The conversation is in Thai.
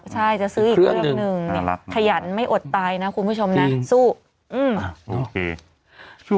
ใช่จะซื้ออีกเครื่องหนึ่งขยันไม่อดตายนะคุณผู้ชมนะสู้อืมโอเค